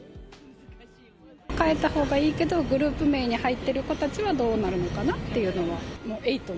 変えたほうがいいけど、グループ名に入ってる子たちはどうなるのかなっていうのは。